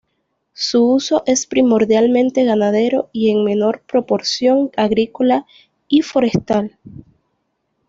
Su uso es primordialmente ganadero y en menor proporción agrícola y forestal.